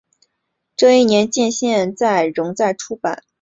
这一年鉴现在仍在出版。